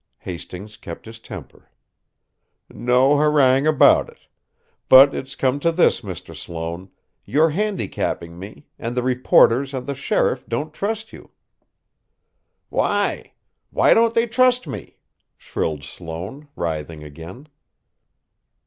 Hastings kept his temper. "No harangue about it. But it's to come to this, Mr. Sloane: you're handicapping me, and the reporters and the sheriff don't trust you." "Why? Why don't they trust me?" shrilled Sloane, writhing again.